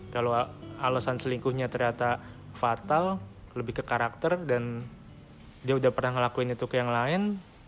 kalau alasan selingkuhnya ternyata fatal lebih ke karakter dan dia udah pernah ngelakuin itu ke yang lain